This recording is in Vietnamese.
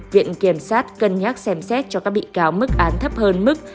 viện kiểm sát cân nhắc xem xét cho các bị cáo mức án thấp hơn mức